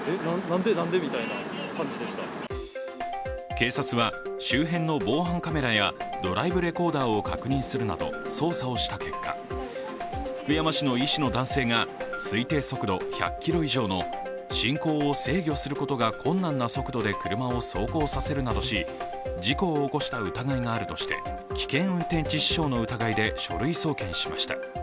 警察は周辺の防犯カメラやドライブレコーダーを確認するなど捜査をした結果、福山市の医師の男性が推定速度１００キロ以上の進行を制御することが困難な速度で車を走行させるなどし事故を起こした疑いがあるとして、危険運転致死傷の疑いで書類送検しました。